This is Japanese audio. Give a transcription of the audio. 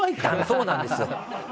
そうなんですよ。